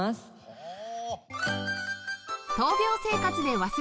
はあ。